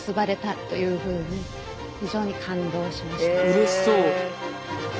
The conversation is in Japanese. うれしそう。